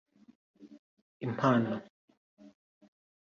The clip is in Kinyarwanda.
Impano